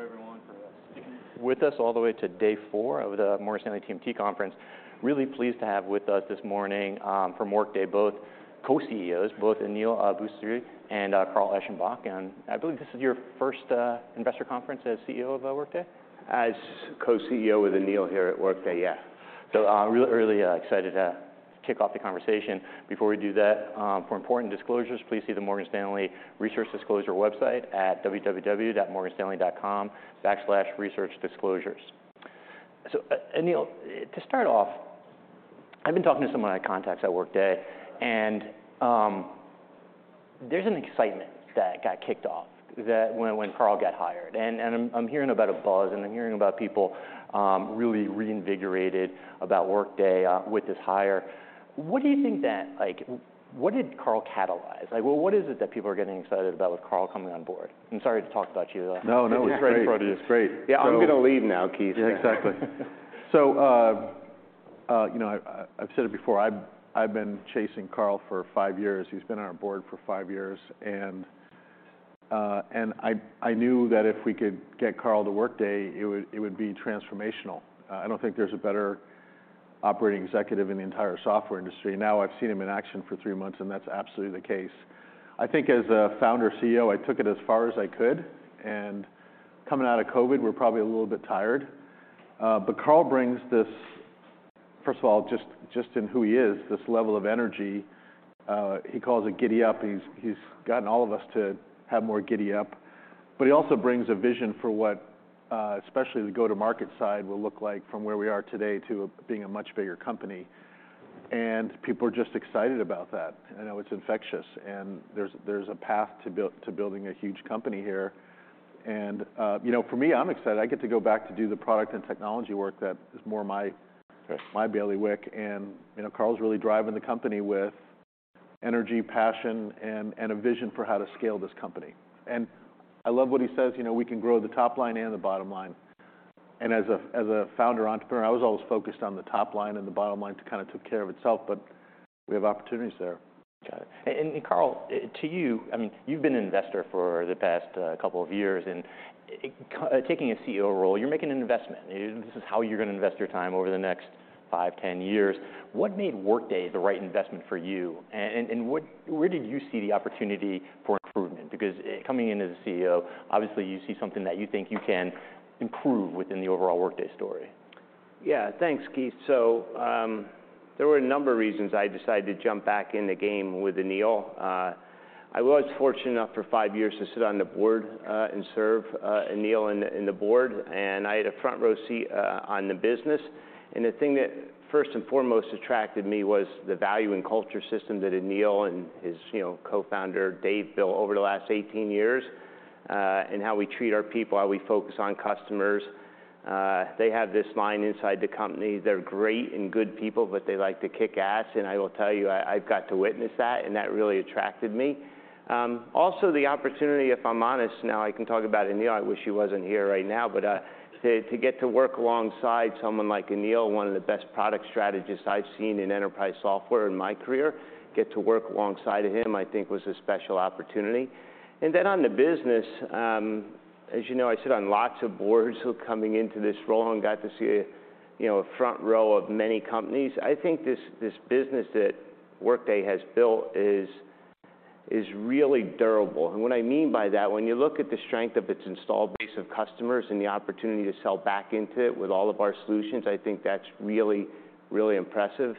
Thank you everyone for sticking with us all the way to day four of the Morgan Stanley TMT Conference. Really pleased to have with us this morning, from Workday, both co-CEOs, both Aneel Bhusri and Carl Eschenbach. I believe this is your first investor conference as CEO of Workday, as co-CEO with Aneel here at Workday, yeah. Really, really excited to kick off the conversation. Before we do that, for important disclosures, please see the Morgan Stanley Research Disclosure website at www.morganstanley.com/researchdisclosures. Aneel, to start off, I've been talking to some of my contacts at Workday, and there's an excitement that got kicked off that when Carl got hired, and I'm hearing about a buzz, and I'm hearing about people really reinvigorated about Workday with this hire. What do you think that, like? What did Carl catalyze? Like, well, what is it that people are getting excited about with Carl coming on board? I'm sorry to talk about you like that. No, no, it's great. He's right in front of you. It's great. Yeah, I'm gonna lead now, Keith. Yeah, exactly. You know, I've said it before, I've been chasing Carl for five years. He's been on our board for five years. I knew that if we could get Carl to Workday, it would be transformational. I don't think there's a better operating executive in the entire software industry. Now, I've seen him in action for three months, and that's absolutely the case. I think as a founder CEO, I took it as far as I could, and coming out of COVID, we're probably a little bit tired. Carl brings this, first of all, just in who he is, this level of energy, he calls it giddy up. He's gotten all of us to have more giddy up. He also brings a vision for what, especially the go-to-market side will look like from where we are today to being a much bigger company. People are just excited about that. You know, it's infectious, there's a path to building a huge company here. You know, for me, I'm excited. I get to go back to do the product and technology work that is more my. Sure My bailiwick. You know, Carl's really driving the company with energy, passion, and a vision for how to scale this company. I love what he says, you know, we can grow the top line and the bottom line. As a founder entrepreneur, I was always focused on the top line, and the bottom line to kind of took care of itself, but we have opportunities there. Got it. Carl, to you, I mean, you've been an investor for the past, couple of years. Taking a CEO role, you're making an investment. This is how you're gonna invest your time over the next five, 10 years. What made Workday the right investment for you? Where did you see the opportunity for improvement? Coming in as a CEO, obviously you see something that you think you can improve within the overall Workday story. Yeah. Thanks, Keith. There were a number of reasons I decided to jump back in the game with Aneel. I was fortunate enough for five years to sit on the board and serve Aneel in the board, and I had a front row seat on the business. The thing that first and foremost attracted me was the value and culture system that Aneel and his, you know, co-founder Dave built over the last 18 years, and how we treat our people, how we focus on customers. They have this line inside the company, "They're great and good people, but they like to kick ass." I will tell you, I've got to witness that, and that really attracted me. Also the opportunity, if I'm honest, now I can talk about Aneel, I wish he wasn't here right now, but to get to work alongside someone like Aneel, one of the best product strategists I've seen in enterprise software in my career, get to work alongside of him, I think was a special opportunity. On the business, as you know, I sit on lots of boards coming into this role and got to see, you know, a front row of many companies. I think this business that Workday has built is really durable. What I mean by that, when you look at the strength of its installed base of customers and the opportunity to sell back into it with all of our solutions, I think that's really impressive.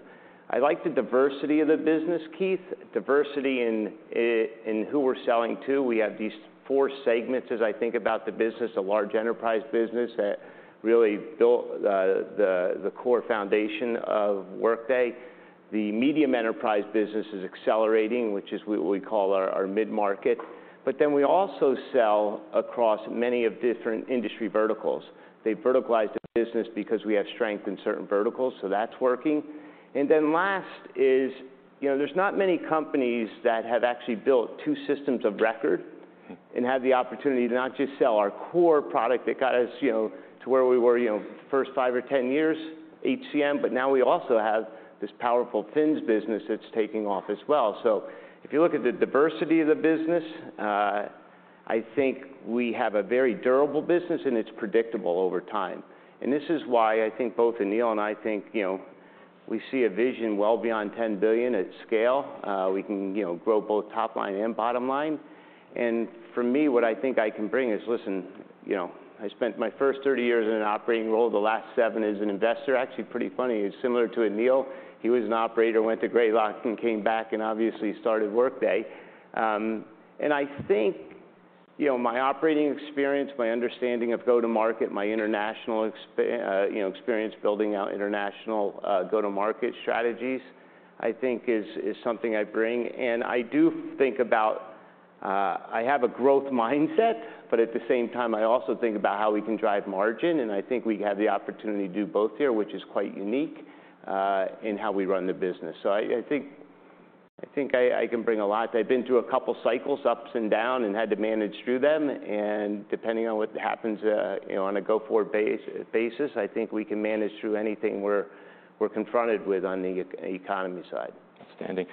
I like the diversity of the business, Keith. Diversity in who we're selling to. We have these four segments as I think about the business, a large enterprise business that really built the core foundation of Workday. The medium enterprise business is accelerating, which is what we call our mid-market. We also sell across many of different industry verticals. They verticalize the business because we have strength in certain verticals, so that's working. Last is, you know, there's not many companies that have actually built two systems of record and have the opportunity to not just sell our core product that got us, you know, to where we were, you know, first five or 10 years, HCM, but now we also have this powerful FINS business that's taking off as well. If you look at the diversity of the business, I think we have a very durable business and it's predictable over time. This is why I think both Aneel and I think, you know, we see a vision well beyond $10 billion at scale. We can, you know, grow both top line and bottom line. For me, what I think I can bring is, listen, you know, I spent my first 30 years in an operating role, the last seven as an investor. Actually, pretty funny, it's similar to Aneel. He was an operator, went to Greylock and came back and obviously started Workday. I think, you know, my operating experience, my understanding of go-to-market, my international experience building out international, go-to-market strategies, I think is something I bring. I do think about, I have a growth mindset, but at the same time, I also think about how we can drive margin, and I think we have the opportunity to do both here, which is quite unique, in how we run the business. I think I can bring a lot. I've been through a couple cycles, ups and down, and had to manage through them. Depending on what happens, you know, on a go-forward basis, I think we can manage through anything we're confronted with on the economy side. Outstanding.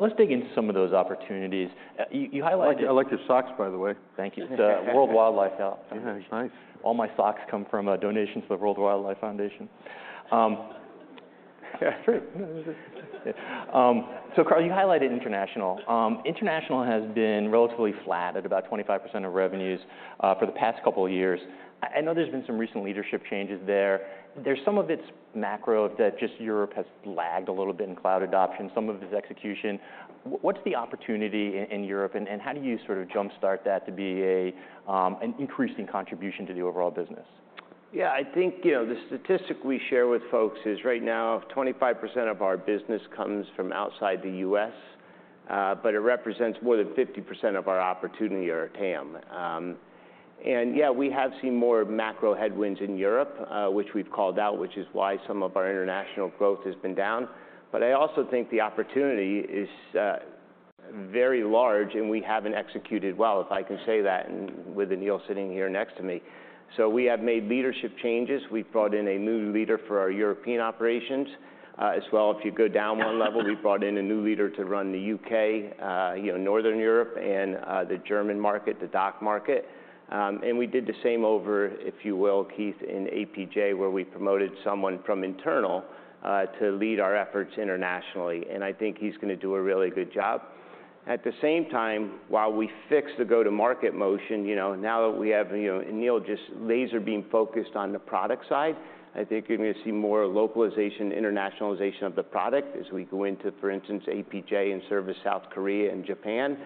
Let's dig into some of those opportunities. You highlighted. I like your socks, by the way. Thank you. It's a World Wildlife Fund. Yeah, it's nice. All my socks come from, donations to the World Wildlife Foundation. It's true. No, no, it is. Yeah. Carl, you highlighted international. International has been relatively flat at about 25% of revenues for the past couple years. I know there's been some recent leadership changes there. There's some of it's macro that just Europe has lagged a little bit in cloud adoption, some of it is execution. What's the opportunity in Europe, and how do you sort of jumpstart that to be an increasing contribution to the overall business? Yeah. I think, you know, the statistic we share with folks is right now 25% of our business comes from outside the U.S., but it represents more than 50% of our opportunity or TAM. Yeah, we have seen more macro headwinds in Europe, which we've called out, which is why some of our international growth has been down, but I also think the opportunity is very large, and we haven't executed well, if I can say that, and with Aneel sitting here next to me. We have made leadership changes. We've brought in a new leader for our European operations. As well, if you go down one level, we brought in a new leader to run the U.K., you know, Northern Europe, and the German market, the DACH market. We did the same over, if you will, Keith, in APJ, where we promoted someone from internal to lead our efforts internationally, and I think he's gonna do a really good job. At the same time, while we fix the go-to-market motion, you know, now that we have, you know, Aneel just laser beam focused on the product side, I think you're gonna see more localization, internationalization of the product as we go into, for instance, APJ and service South Korea and Japan.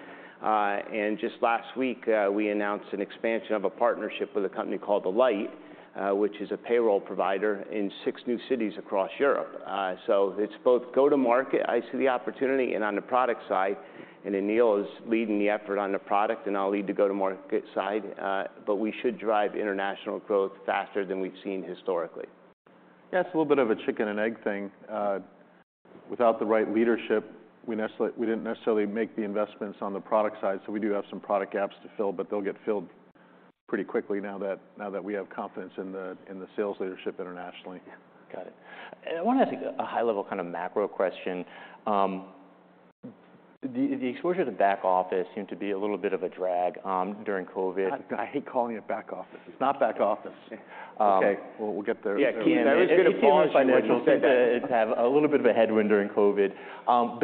Just last week, we announced an expansion of a partnership with a company called Alight, which is a payroll provider in six new cities across Europe. It's both go to market, I see the opportunity, and on the product side, and Aneel is leading the effort on the product, and I'll lead the go-to-market side. We should drive international growth faster than we've seen historically. Yeah, it's a little bit of a chicken and egg thing. Without the right leadership, we didn't necessarily make the investments on the product side, so we do have some product gaps to fill, but they'll get filled pretty quickly now that, now that we have confidence in the, in the sales leadership internationally. Yeah. Got it. A high level kind of macro question. The, the exposure to back office seemed to be a little bit of a drag during COVID. God, I hate calling it back office. It's not back office. Okay. We'll get. Yeah, Keith, I was gonna apologize- It seemed in financials that. It seemed to have a little bit of a headwind during COVID.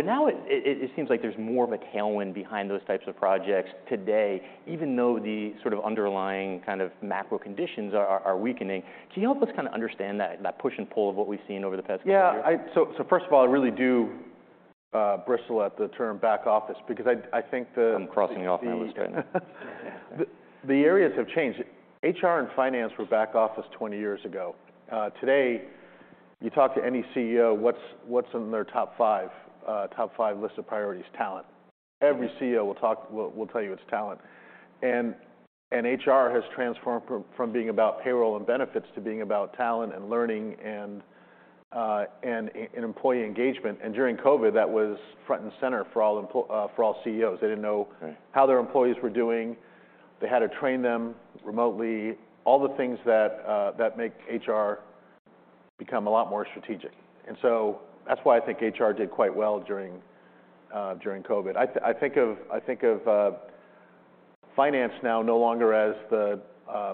Now it seems like there's more of a tailwind behind those types of projects today, even though the sort of underlying kind of macro conditions are weakening. Can you help us kind of understand that push and pull of what we've seen over the past couple years? Yeah. first of all, I really do bristle at the term back office because I think the. I'm crossing it off my list then. The areas have changed. HR and finance were back office 20 years ago. Today, you talk to any CEO, what's in their top five list of priorities? Talent. Every CEO will tell you it's talent. HR has transformed from being about payroll and benefits to being about talent and learning and employee engagement. During COVID, that was front and center for all CEOs. They didn't know. Right How their employees were doing. They had to train them remotely. All the things that make HR become a lot more strategic. That's why I think HR did quite well during COVID. I think of finance now no longer as the,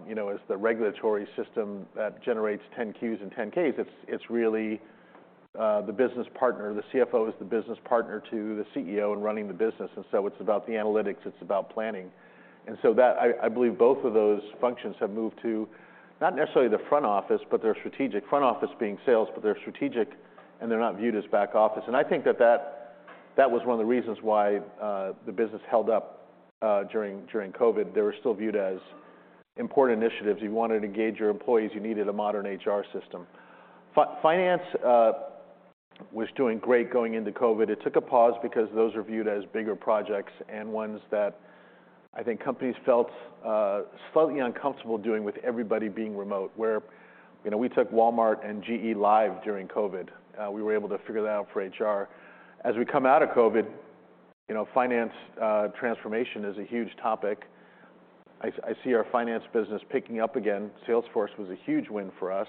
you know, as the regulatory system that generates 10-Qs and 10-Ks. It's really the business partner. The CFO is the business partner to the CEO in running the business, and so it's about the analytics, it's about planning. I believe both of those functions have moved to not necessarily the front office, but they're strategic. Front office being sales, but they're strategic, and they're not viewed as back office. I think that was one of the reasons why the business held up during COVID. They were still viewed as important initiatives. You wanted to engage your employees, you needed a modern HR system. Finance was doing great going into COVID. It took a pause because those are viewed as bigger projects and ones that I think companies felt slightly uncomfortable doing with everybody being remote, where, you know, we took Walmart and GE live during COVID. We were able to figure that out for HR. As we come out of COVID, you know, finance transformation is a huge topic. I see our finance business picking up again. Salesforce was a huge win for us.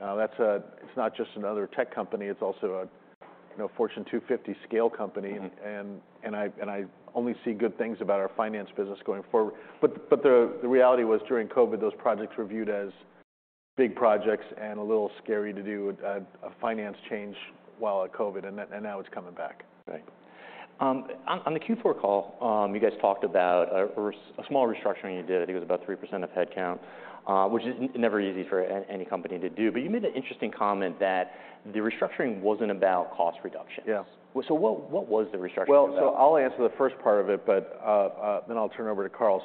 That's a... It's not just another tech company, it's also a, you know, Fortune 250 scale company. Mm-hmm. I only see good things about our finance business going forward. The reality was during COVID, those projects were viewed as big projects and a little scary to do a finance change while at COVID, and now it's coming back. Right. On the Q4 call, you guys talked about a small restructuring you did. I think it was about 3% of headcount, which is never easy for any company to do. You made an interesting comment that the restructuring wasn't about cost reductions. Yeah. What was the restructuring about? I'll answer the first part of it, but then I'll turn it over to Carl.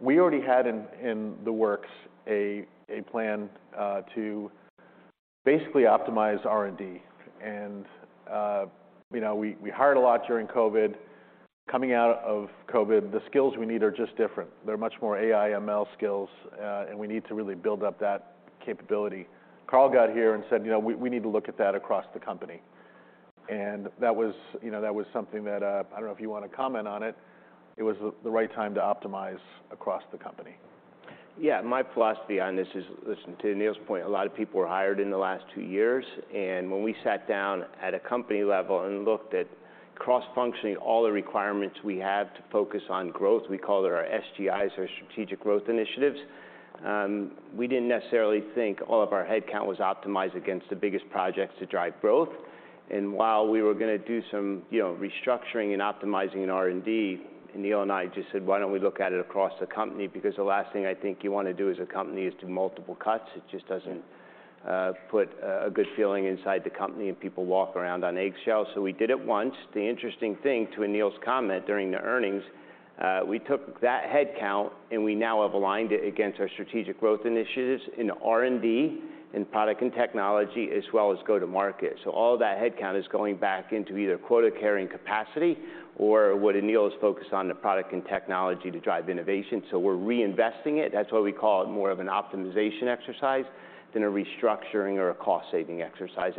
We already had in the works a plan to basically optimize R&D. You know, we hired a lot during COVID. Coming out of COVID, the skills we need are just different. They're much more AI, ML skills, and we need to really build up that capability. Carl got here and said, "You know, we need to look at that across the company." That was, you know, that was something that, I don't know if you want to comment on it. It was the right time to optimize across the company. Yeah, my philosophy on this is, listen, to Aneel's point, a lot of people were hired in the last two years, and when we sat down at a company level and looked at cross-functioning all the requirements we have to focus on growth, we call it our SGIs, our strategic growth initiatives, we didn't necessarily think all of our headcount was optimized against the biggest projects to drive growth. While we were gonna do some, you know, restructuring and optimizing in R&D, Aneel and I just said, "Why don't we look at it across the company?" Because the last thing I think you want to do as a company is do multiple cuts. It just doesn't put a good feeling inside the company and people walk around on eggshells. We did it once. The interesting thing, to Aneel's comment during the earnings, we took that headcount, we now have aligned it against our strategic growth initiatives in R&D, in product and technology, as well as go-to-market. All that headcount is going back into either quota-carrying capacity or what Aneel is focused on, the product and technology to drive innovation. We're reinvesting it. That's why we call it more of an optimization exercise than a restructuring or a cost-saving exercise.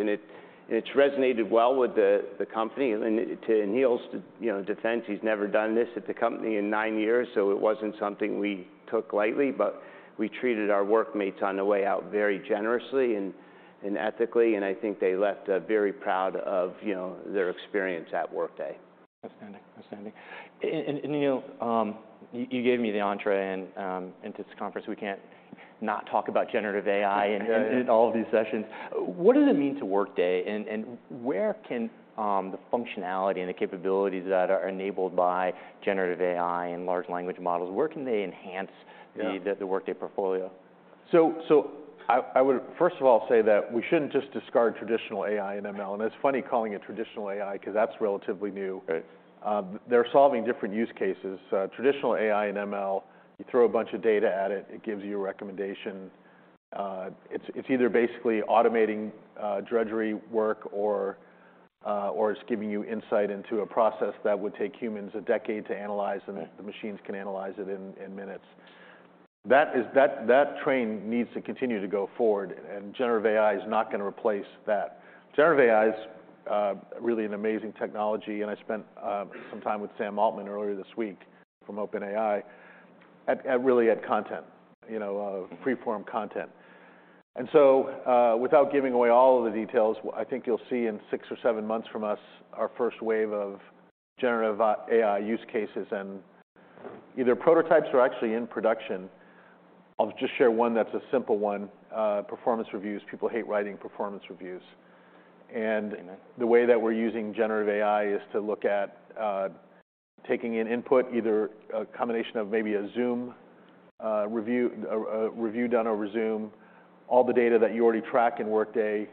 It's resonated well with the company. To Aneel's, you know, defense, he's never done this at the company in nine years, it wasn't something we took lightly. We treated our Workmates on the way out very generously and ethically, and I think they left very proud of, you know, their experience at Workday. Outstanding. Outstanding. Aneel, you gave me the entrée into this conference. We can't not talk about generative AI. Yeah. In, in all of these sessions. What does it mean to Workday, and where can the functionality and the capabilities that are enabled by generative AI and large language models, where can they enhance. Yeah The Workday portfolio? I would first of all say that we shouldn't just discard traditional AI and ML, and it's funny calling it traditional AI 'cause that's relatively new. Right. They're solving different use cases. Traditional AI and ML, you throw a bunch of data at it gives you a recommendation. It's either basically automating, drudgery work or, it's giving you insight into a process that would take humans a decade to analyze. Right The machines can analyze it in minutes. That is, that train needs to continue to go forward, and generative AI is not gonna replace that. Generative AI is really an amazing technology, and I spent some time with Sam Altman earlier this week from OpenAI at really at content. You know, free-form content. Without giving away all of the details, I think you'll see in six or seven months from us our first wave of generative AI use cases and either prototypes or actually in production. I'll just share one that's a simple one. Performance reviews. People hate writing performance reviews. Mm-hmm The way that we're using generative AI is to look at, taking in input, either a combination of maybe a Zoom review, a review done over Zoom, all the data that you already track in Workday,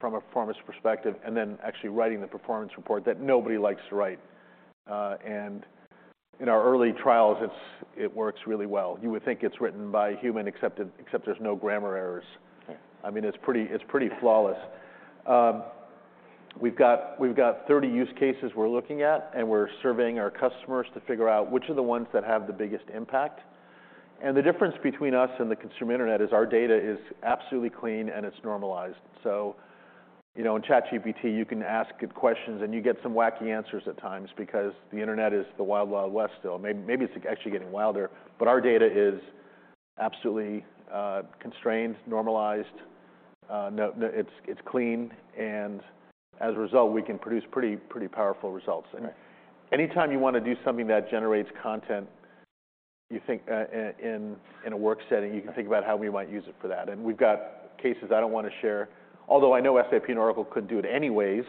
from a performance perspective, and then actually writing the performance report that nobody likes to write. In our early trials, it works really well. You would think it's written by a human except there's no grammar errors. Yeah. I mean, it's pretty, it's pretty flawless. We've got 30 use cases we're looking at. We're surveying our customers to figure out which are the ones that have the biggest impact. The difference between us and the consumer internet is our data is absolutely clean, and it's normalized. You know, in ChatGPT, you can ask it questions, and you get some wacky answers at times because the internet is the Wild Wild West still. Maybe it's actually getting wilder. Our data is absolutely constrained, normalized. It's clean, and as a result, we can produce pretty powerful results. Right. Anytime you wanna do something that generates content, you think, in a work setting. Right You can think about how we might use it for that. We've got cases I don't wanna share, although I know SAP and Oracle couldn't do it anyways,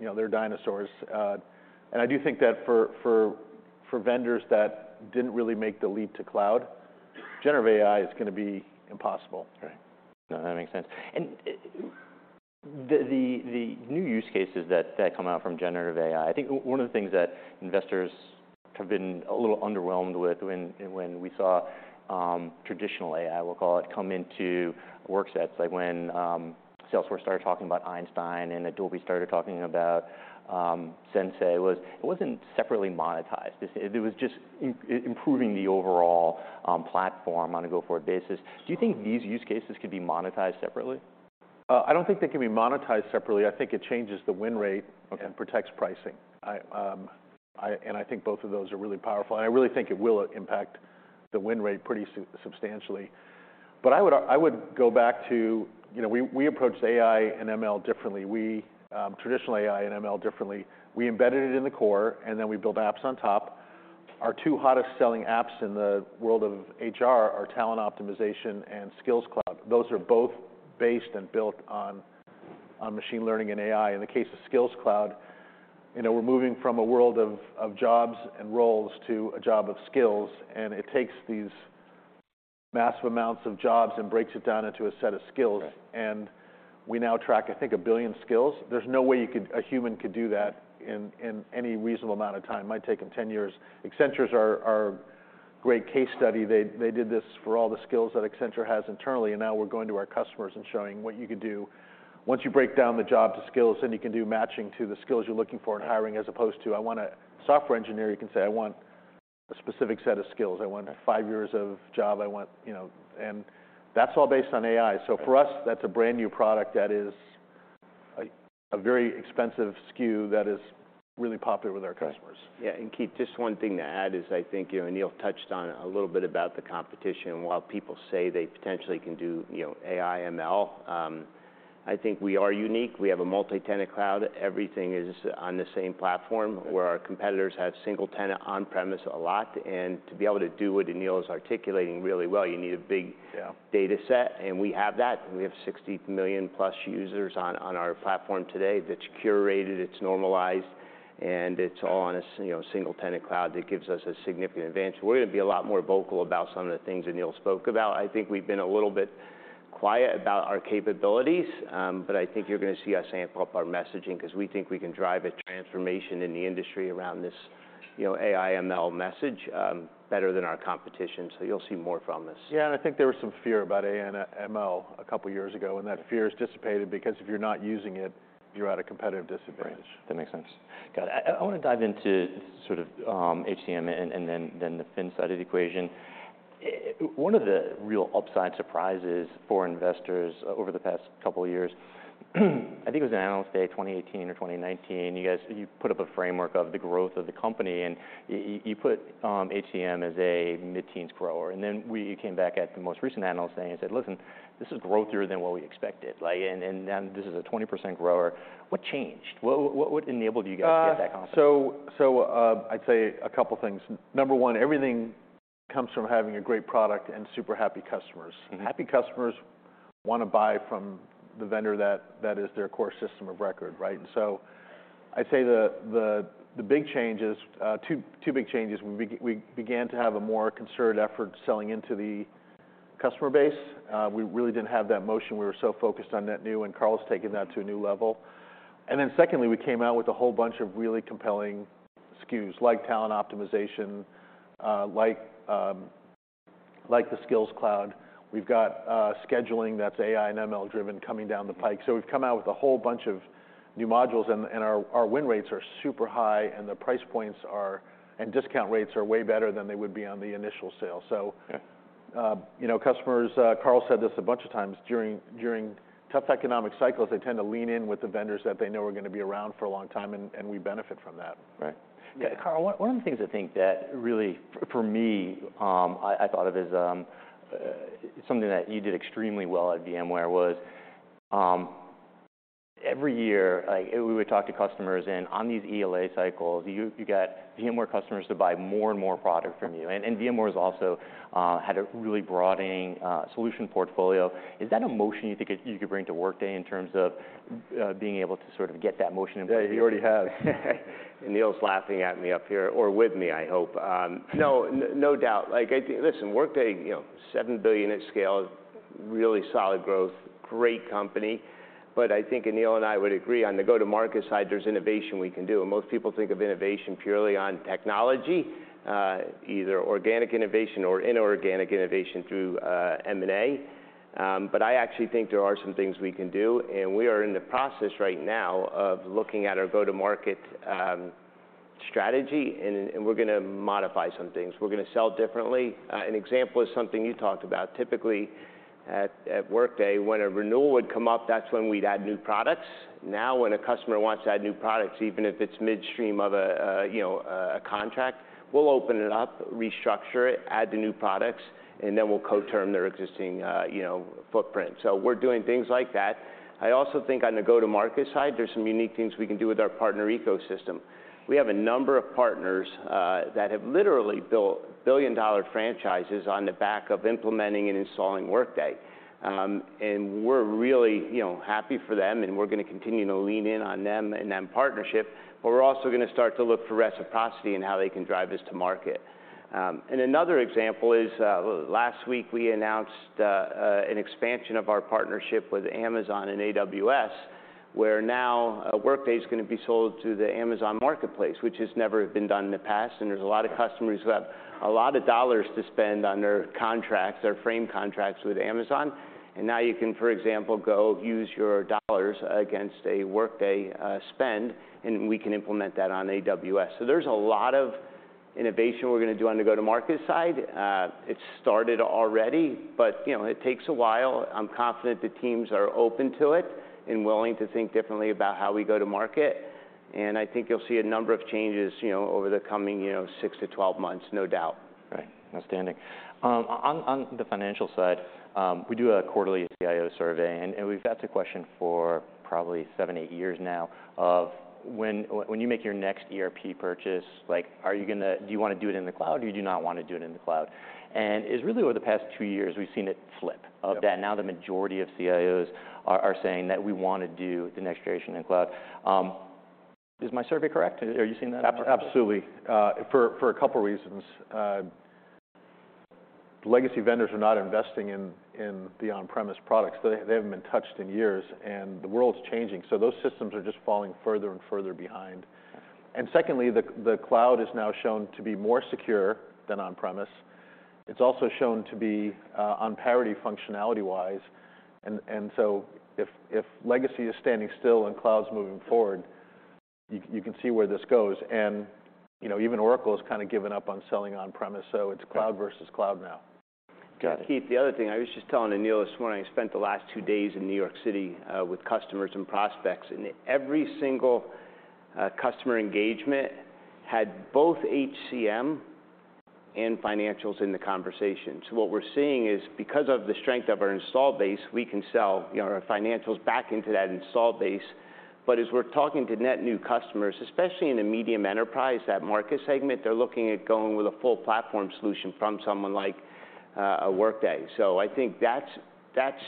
you know, they're dinosaurs. I do think that for vendors that didn't really make the leap to cloud, generative AI is gonna be impossible. Right. No, that makes sense. The new use cases that come out from generative AI, I think one of the things that investors have been a little underwhelmed with when we saw traditional AI we'll call it, come into work sets, like when Salesforce started talking about Einstein and Adobe started talking about Sensei, was it wasn't separately monetized. It's, it was just improving the overall platform on a go-forward basis. Do you think these use cases could be monetized separately? I don't think they can be monetized separately. I think it changes the win rate. Okay Protects pricing. I think both of those are really powerful, and I really think it will impact the win rate pretty substantially. I would go back to, you know, we approached AI and ML differently. We traditional AI and ML differently. We embedded it in the core, and then we built apps on top. Our two hottest selling apps in the world of HR are Talent Optimization and Skills Cloud. Those are both based and built on machine learning and AI. In the case of Skills Cloud, you know, we're moving from a world of jobs and roles to a job of skills, and it takes these massive amounts of jobs and breaks it down into a set of skills. Right. We now track, I think, 1 billion skills. There's no way you could, a human could do that in any reasonable amount of time. Might take them 10 years. Accenture's our great case study. They, they did this for all the skills that Accenture has internally, and now we're going to our customers and showing what you could do once you break down the job to skills, then you can do matching to the skills you're looking for in hiring as opposed to, "I want a software engineer," you can say, "I want a specific set of skills. I want five years of job. I want..." You know. That's all based on AI. Right. For us, that's a brand-new product that is a very expensive SKU that is really popular with our customers. Yeah. Keith, just one thing to add is I think, you know, Aneel touched on a little bit about the competition. While people say they potentially can do, you know, AI, ML, I think we are unique. We have a multi-tenant cloud. Everything is on the same platform. Yeah Where our competitors have single-tenant on-premise a lot. To be able to do what Aneel is articulating really well, you need a big. Yeah Data set. We have that. We have 60 million+ users on our platform today that's curated, it's normalized, and it's all on a you know, single-tenant cloud that gives us a significant advantage. We're gonna be a lot more vocal about some of the things Aneel spoke about. I think we've been a little bit quiet about our capabilities, but I think you're gonna see us amp up our messaging 'cause we think we can drive a transformation in the industry around this, you know, AI, ML message, better than our competition. You'll see more from us. Yeah. I think there was some fear about AI and ML a couple years ago, and that fear has dissipated because if you're not using it, you're at a competitive disadvantage. Right. That makes sense. Got it. I wanna dive into sort of, HCM and then the FINS side of the equation. One of the real upside surprises for investors over the past couple of years, I think it was in Analyst Day 2018 or 2019, you put up a framework of the growth of the company, and you put HCM as a mid-teens grower. We came back at the most recent Analyst Day and said, "Listen, this is growthier than what we expected," like, and, this is a 20% grower. What changed? What enabled you guys to get that confidence? I'd say a couple things. Number one, everything comes from having a great product and super happy customers. Mm-hmm. Happy customers wanna buy from the vendor that is their core system of record, right? I'd say the big changes, two big changes. We began to have a more concerted effort selling into the customer base. We really didn't have that motion. We were so focused on net new. Carl's taken that to a new level. Secondly, we came out with a whole bunch of really compelling SKUs, like Talent Optimization, like the Skills Cloud. We've got scheduling that's AI and ML driven coming down the pike. We've come out with a whole bunch of new modules and our win rates are super high, and the price points are, discount rates are way better than they would be on the initial sale. Yeah You know, customers, Carl said this a bunch of times during tough economic cycles, they tend to lean in with the vendors that they know are gonna be around for a long time, and we benefit from that. Right. Yeah. Carl, one of the things I think that really, for me, I thought of as something that you did extremely well at VMware was, every year, like we would talk to customers, and on these ELA cycles, you got VMware customers to buy more and more product from you. VMware's also had a really broadening solution portfolio. Is that a motion you think you could bring to Workday in terms of being able to sort of get that motion? Yeah, you already have. Aneel's laughing at me up here or with me, I hope. No, no doubt. Like, I think, listen, Workday, you know, $7 billion at scale, really solid growth, great company, but I think Aneel and I would agree, on the go-to-market side, there's innovation we can do. Most people think of innovation purely on technology, either organic innovation or inorganic innovation through M&A, but I actually think there are some things we can do. We are in the process right now of looking at our go-to-market strategy, and we're gonna modify some things. We're gonna sell differently. An example is something you talked about. Typically at Workday, when a renewal would come up, that's when we'd add new products. When a customer wants to add new products, even if it's midstream of a, you know, a contract, we'll open it up, restructure it, add the new products, and then we'll co-term their existing, you know, footprint. We're doing things like that. I also think on the go-to-market side, there's some unique things we can do with our partner ecosystem. We have a number of partners that have literally built billion-dollar franchises on the back of implementing and installing Workday. We're really, you know, happy for them, and we're gonna continue to lean in on them in that partnership. We're also gonna start to look for reciprocity in how they can drive this to market. Another example is, last week we announced an expansion of our partnership with Amazon and AWS, where now Workday's gonna be sold through the Amazon Marketplace, which has never been done in the past. There's a lot of customers who have a lot of dollars to spend on their contracts, their frame contracts with Amazon. Now you can, for example, go use your dollars against a Workday spend, and we can implement that on AWS. There's a lot of innovation we're gonna do on the go-to-market side. It's started already, but, you know, it takes a while. I'm confident the teams are open to it and willing to think differently about how we go to market. I think you'll see a number of changes, you know, over the coming, you know, six-12 months, no doubt. Right. Outstanding. on the financial side, we do a quarterly CIO survey, and we've asked the question for probably seven, eight years now of when you make your next ERP purchase, like, do you wanna do it in the cloud or do you not wanna do it in the cloud? It's really over the past two years, we've seen it flip. Yeah The majority of CIOs are saying that we wanna do the next generation in cloud. Is my survey correct? Are you seeing that? Absolutely. For a couple reasons. Legacy vendors are not investing in the on-premise products. They haven't been touched in years. The world's changing. Those systems are just falling further and further behind. Yeah. Secondly, the cloud is now shown to be more secure than on-premise. It's also shown to be on parity functionality-wise. If legacy is standing still and cloud's moving forward. You can see where this goes. You know, even Oracle has kinda given up on selling on-premise, so it's cloud versus cloud now. Got it. Keith, the other thing, I was just telling Aneel this morning, I spent the last two days in New York City, with customers and prospects, and every single customer engagement had both HCM and financials in the conversation. What we're seeing is, because of the strength of our install base, we can sell, you know, our financials back into that install base. As we're talking to net new customers, especially in the medium enterprise, that market segment, they're looking at going with a full platform solution from someone like Workday. I think that's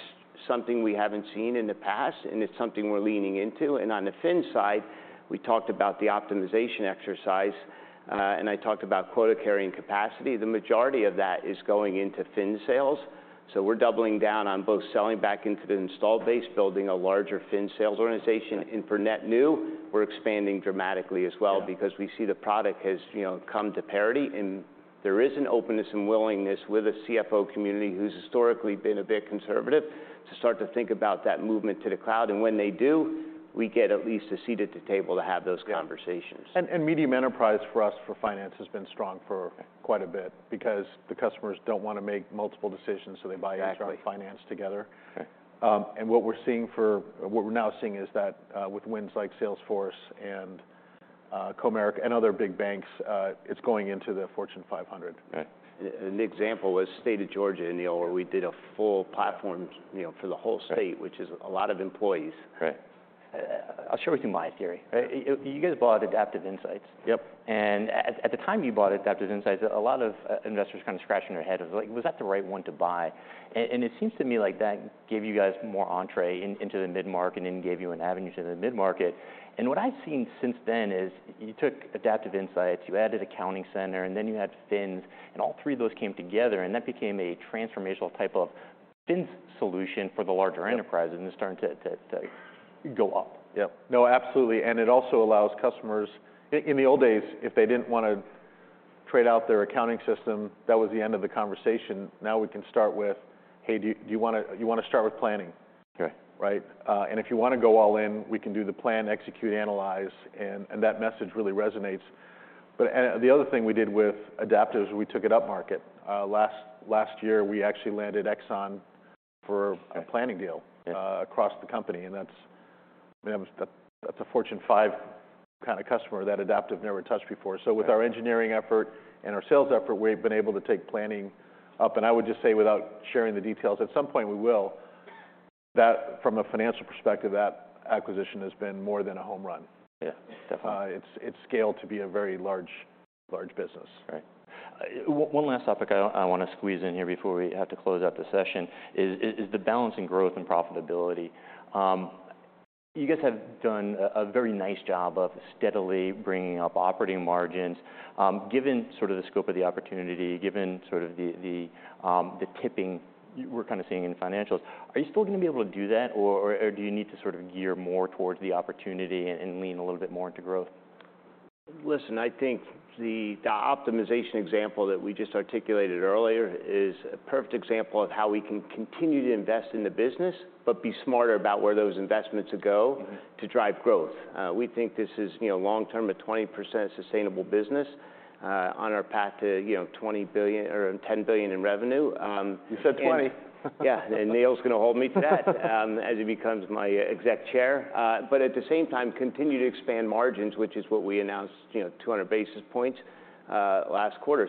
something we haven't seen in the past, and it's something we're leaning into. On the Fin side, we talked about the optimization exercise, and I talked about quota-carrying capacity. The majority of that is going into Fin sales, so we're doubling down on both selling back into the installed base, building a larger Fin sales organization. Right. For net new, we're expanding dramatically as well. Yeah Because we see the product has, you know, come to parity. There is an openness and willingness with the CFO community, who's historically been a bit conservative, to start to think about that movement to the cloud. When they do, we get at least a seat at the table to have those conversations. Yeah. Medium enterprise for us for finance has been strong for quite a bit, because the customers don't wanna make multiple decisions, so they buy. Exactly HR and finance together. Okay. What we're now seeing is that with wins like Salesforce and Comerica and other big banks, it's going into the Fortune 500. Okay. An example is State of Georgia, Aneel, where we did a full platform, you know, for the whole state. Right which is a lot of employees. Right. I'll share with you my theory. Right. You guys bought Adaptive Insights. Yep. At the time you bought Adaptive Insights, a lot of investors kinda scratching their head. It was like, "Was that the right one to buy?" It seems to me like that gave you guys more entree into the mid-market and gave you an avenue to the mid-market. What I've seen since then is you took Adaptive Insights, you added Accounting Center, and then you had FINS, and all three of those came together and that became a transformational type of FINS solution for the larger enterprises. Yep... it's starting to go up. Yep. No, absolutely. It also allows customers... In the old days, if they didn't wanna trade out their accounting system, that was the end of the conversation. Now we can start with, "Hey, do you wanna start with planning? Okay. Right? If you wanna go all in, we can do the plan, execute, analyze, and that message really resonates. The other thing we did with Adaptive is we took it up market. last year, we actually landed Exxon. Okay For a planning deal. Yeah Across the company, that's, I mean, that was, that's a Fortune 500 kinda customer that Adaptive never touched before. Yeah. With our engineering effort and our sales effort, we've been able to take Planning up. I would just say, without sharing the details, at some point we will, that from a financial perspective, that acquisition has been more than a home run. Yeah. Definitely. It's scaled to be a very large business. Right. One last topic I wanna squeeze in here before we have to close out the session is the balancing growth and profitability. You guys have done a very nice job of steadily bringing up operating margins. Given sort of the scope of the opportunity, given sort of the tipping you were kinda seeing in financials, are you still gonna be able to do that or do you need to sort of gear more towards the opportunity and lean a little bit more into growth? Listen, I think the optimization example that we just articulated earlier is a perfect example of how we can continue to invest in the business but be smarter about where those investments go. Mm-hmm To drive growth. We think this is, you know, long-term, a 20% sustainable business, on our path to, you know, $20 billion... or $10 billion in revenue. You said 20. Yeah. Aneel's gonna hold me to that as he becomes my exec Chair. At the same time, continue to expand margins, which is what we announced, you know, 200 basis points, last quarter.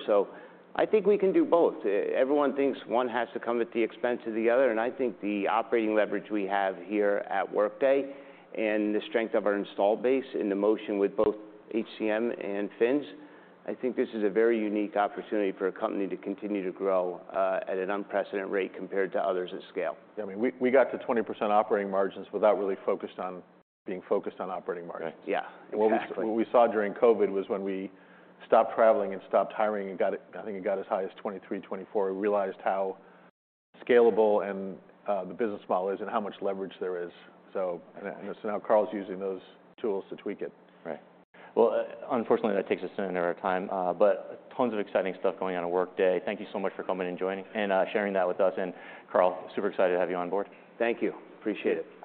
I think we can do both. Everyone thinks one has to come at the expense of the other. I think the operating leverage we have here at Workday and the strength of our install base into motion with both HCM and FINS, I think this is a very unique opportunity for a company to continue to grow, at an unprecedented rate compared to others at scale. Yeah. I mean, we got to 20% operating margins without really being focused on operating margins. Right. Yeah, exactly. What we saw during COVID was when we stopped traveling and stopped hiring and got it, I think it got as high as 23, 24. We realized how scalable and the business model is and how much leverage there is. Now Carl's using those tools to tweak it. Right. Well, unfortunately that takes us to the end of our time. Tons of exciting stuff going on at Workday. Thank you so much for coming and joining and sharing that with us. Carl, super excited to have you on board. Thank you. Appreciate it.